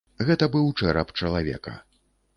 Гэта быў чэрап чалавека.